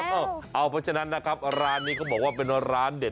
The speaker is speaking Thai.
เพราะฉะนั้นนะครับร้านนี้เขาบอกว่าเป็นร้านเด็ด